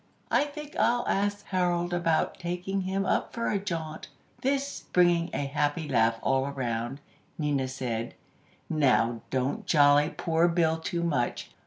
I think I'll ask Harold about taking him up for a jaunt." This, bringing a happy laugh all around, Nina said: "Now don't jolly poor Bill too much.